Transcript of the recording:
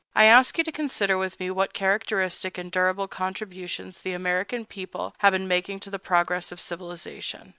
I ask you to consider with me what characteristic and durable contributions the American people have been making to the progress of civilization.